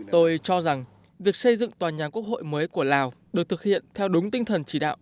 tôi cho rằng việc xây dựng tòa nhà quốc hội mới của lào được thực hiện theo đúng tinh thần chỉ đạo